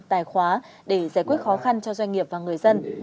tài khóa để giải quyết khó khăn cho doanh nghiệp và người dân